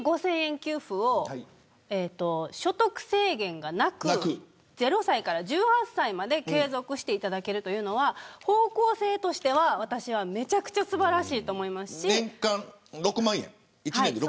給付を所得制限がなく０歳から１８歳まで継続していただけるというのは方向性としては私はめちゃくちゃ年間６万円。